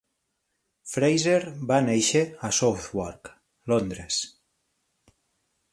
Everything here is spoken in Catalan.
Fraser va néixer a Southwark, Londres.